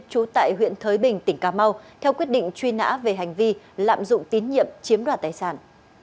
trú tại huyện thới bình tỉnh cà mau theo quyết định truy nã về hành vi lạm dụng tín nhiệm chiếm đoạt tài sản